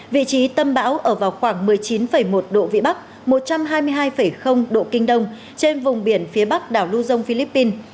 vị trí tâm bão ở vào khoảng một mươi chín một độ vĩ bắc một trăm hai mươi hai độ kinh đông trên vùng biển phía bắc đảo luzon philippines